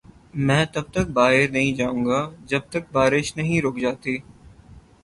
میں تب تک باہر نہیں جائو گا جب تک بارش نہیں رک جاتی۔